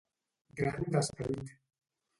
Gran d'esperit.